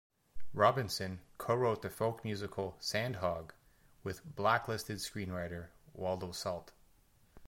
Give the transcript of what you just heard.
Robinson co-wrote the folk musical "Sandhog" with blacklisted screenwriter Waldo Salt.